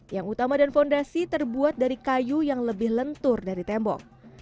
yang utama dan fondasi terbuat dari kayu yang lebih lentur dari tembok